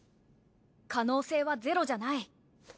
可能性はゼロじゃない。